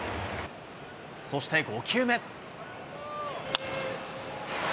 そして５球目。